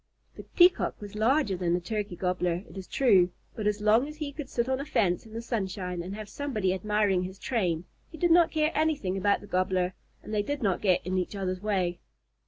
The Peacock was larger than the Turkey Gobbler, it is true, but as long as he could sit on a fence in the sunshine and have somebody admiring his train, he did not care anything about the Gobbler, and they did not get in each other's way.